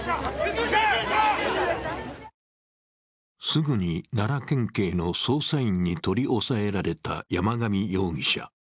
すぐに奈良県警の捜査員に取り押さえられた山上容疑者。